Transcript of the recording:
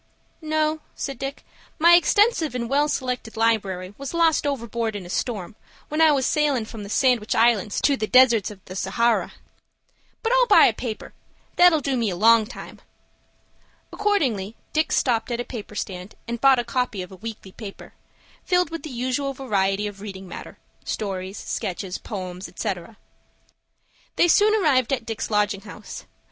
"No," said Dick. "My extensive and well selected library was lost overboard in a storm, when I was sailin' from the Sandwich Islands to the desert of Sahara. But I'll buy a paper. That'll do me a long time." Accordingly Dick stopped at a paper stand, and bought a copy of a weekly paper, filled with the usual variety of reading matter,—stories, sketches, poems, etc. They soon arrived at Dick's lodging house.